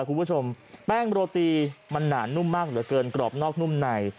คุณผู้ชมแป้งโรตีมันหนานนุ่มมากเหลือเกินกรอบนอกนุ่มใน